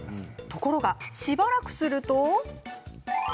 ところが、しばらくすると。